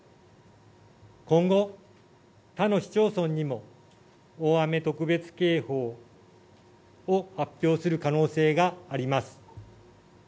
今後、他の市町村にも、大雨特別警報を発表する可能性があります。